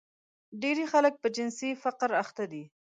ډېری خلک په جنسي فقر اخته دي.